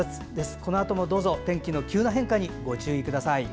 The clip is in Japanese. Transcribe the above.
このあともどうぞ天気の急な変化にご注意ください。